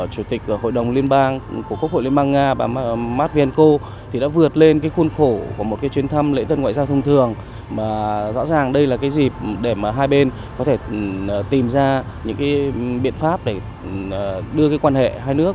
chủ tịch hội đồng liên bang nga valentina matvienko đề nghị hai bên đẩy mạnh hơn nữa trao đổi văn hóa giao lưu nhân dân đa dạng hợp tác kinh tế thương mại tự do việt nam